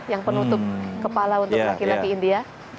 yang penutup kepala untuk laki laki india